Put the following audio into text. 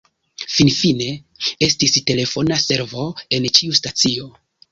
Finfine, estis telefona servo en ĉiu stacio.